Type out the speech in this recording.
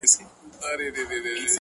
زما لېونۍ و ماته ډېر څه وايي بد څه وايي;